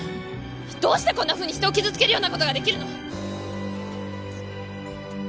どうしてこんなふうに人を傷つけるようなことができるの？